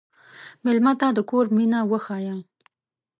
مېلمه ته د کور مینه وښیه.